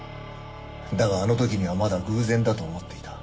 だがあの時にはまだ偶然だと思っていた。